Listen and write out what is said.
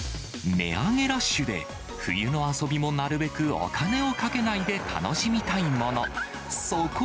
値上げラッシュで、冬の遊びもなるべくお金をかけないで楽しみたいもの。